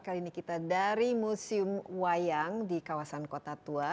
kali ini kita dari museum wayang di kawasan kota tua